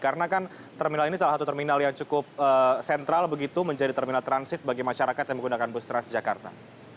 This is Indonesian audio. karena kan terminal ini salah satu terminal yang cukup sentral begitu menjadi terminal transit bagi masyarakat yang menggunakan bustras jakarta